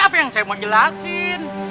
apa yang saya mau jelasin